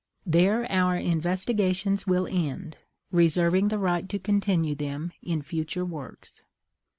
There our investigations will end, reserving the right to continue them in future works.